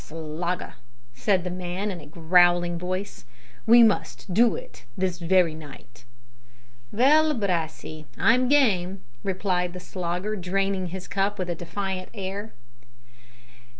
"Slogger," said the man, in a growling voice, "we must do it this wery night." "Vell, Brassey, I'm game," replied the Slogger, draining his cup with a defiant air.